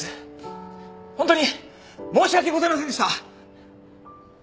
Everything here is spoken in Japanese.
ホントに申し訳ございませんでした。